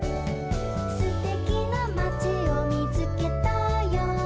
「すてきなまちをみつけたよ」